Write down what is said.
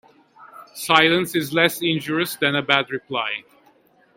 Silence is less injurious than a bad reply.